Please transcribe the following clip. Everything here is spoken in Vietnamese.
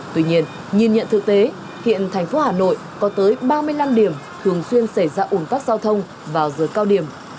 tuy nhiên nhìn nhận thực tế hiện thành phố hà nội có tới ba mươi năm điểm thường xuyên xảy ra ủn tắc giao thông vào giờ cao điểm